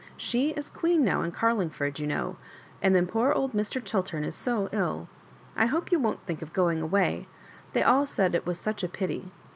She is queen now in Carlmg^ ford, you know; — and then poor old Mr. Chiltem is so ill I hope you won't think of going away. They all said it was such a pity.